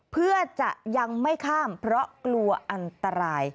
เพื่อจะยังไม่ข้ามเพราะกลัวอันตราย